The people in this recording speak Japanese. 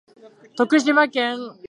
徳島県美馬郡東みよし町